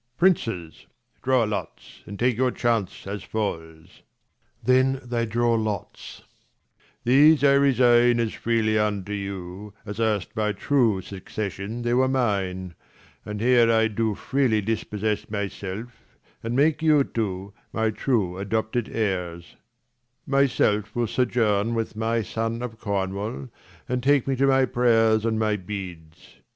80 Princes, draw lots, and take your chance as falls. \Then they draw lots. These I resign as freely unto you, \ttdfes, H ..... e c*~s *' As erst by true succession they were mine. And here I do freely dispossess my self, And make you two my true adopted heirs : 85 My self will sojourn with my son of Cornwall, And take me to my prayers and my beads.